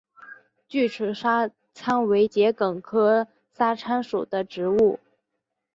锯齿沙参为桔梗科沙参属的植物。